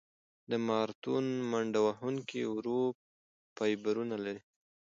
د ماراتون منډهوهونکي ورو فایبرونه لري.